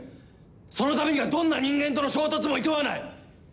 そのためにはどんな人間との衝突もいとわない。